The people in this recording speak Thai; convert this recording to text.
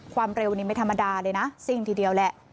ความเร็วนี่ไม่ธรรมดาเลยนะซิ่งทีเดียวแหละ